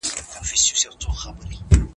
د ژوند قصابي د زغم د نشتوالي پايله ده.